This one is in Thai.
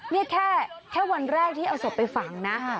นี่แค่วันแรกที่เอาศพไปฝังนะ